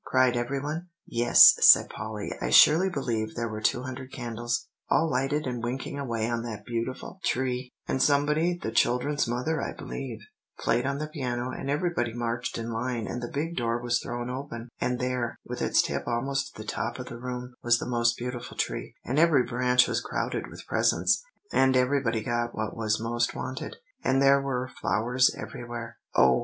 cried every one. "Yes," said Polly; "I surely believe there were two hundred candles, all lighted and winking away on that beautiful tree; and somebody, the children's mother I believe, played on the piano, and everybody marched in line, and the big door was thrown open, and there, with its tip almost to the top of the room, was the most beautiful tree; and every branch was crowded with presents, and everybody got what was most wanted, and there were flowers everywhere. Oh!